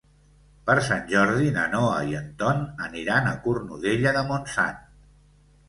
Per Sant Jordi na Noa i en Ton aniran a Cornudella de Montsant.